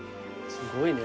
すごいね。